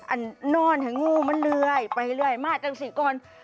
นอนให้งูมันเลื่อยไปเรื่อยมาจากสี่ก้อน